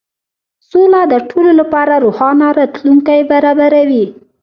سوله د ټولو لپاره روښانه راتلونکی برابروي.